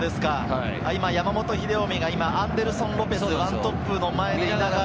山本英臣がアンデルソン・ロペス、１トップの前にいながら。